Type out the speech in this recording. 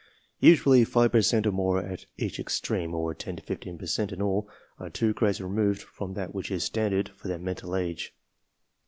Usually 5 per cent or more at each extreme, or 10 to 15 per cent in all, are two grades removed from that which is standard for their mental age.